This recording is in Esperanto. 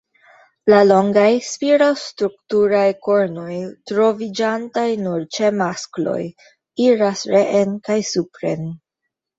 La longaj, spiral-strukturaj kornoj, troviĝantaj nur ĉe maskloj, iras reen kaj supren.